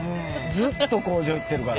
ずっと工場行ってるから。